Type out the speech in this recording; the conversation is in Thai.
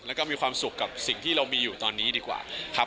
แล้วก็มีความสุขกับสิ่งที่เรามีอยู่ตอนนี้ดีกว่าครับ